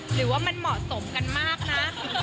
หรือว่ามันเหมาะสมกันมากนะ